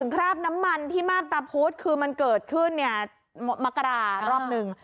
ถึงคราบน้ำมันที่มาตะพุธคือมันเกิดขึ้นมะกรารออีกรอบหนึ่ง